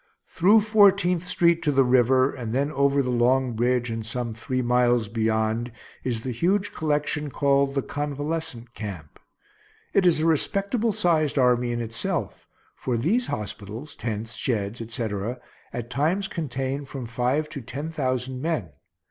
Through Fourteenth street to the river, and then over the long bridge and some three miles beyond, is the huge collection called the convalescent camp. It is a respectable sized army in itself, for these hospitals, tents, sheds, etc., at times contain from five to ten thousand men.